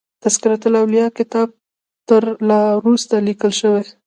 تذکرة الاولیاء کتاب تر را وروسته لیکل شوی.